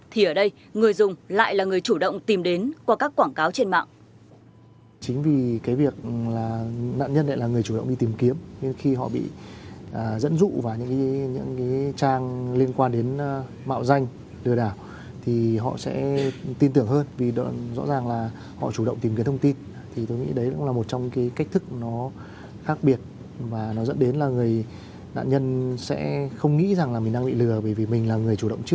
thì ở đây người dùng lại là người chủ động tìm đến qua các quảng cáo trên mạng